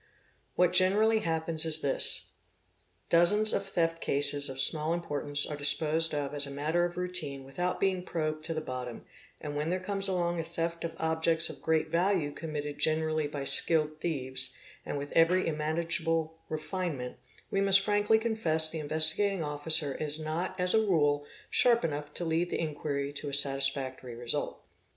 What generally — happens is this; dozens of theft cases of small importance are disposed — of as a matter of routine without being probed to the bottom and when there comes along a theft of objects of great value committed generally by skilled thieves and with every imaginable refinement, we must frankly confess the Investigating Officer is not as a rule sharp enough to lead the. inquiry to a satisfactory result.